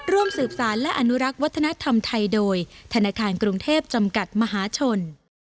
ร่วมสืบสารและอนุรักษ์วัฒนธรรมไทยโดยธนาคารกรุงเทพจำกัดมหาชน